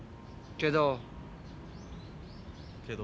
けど？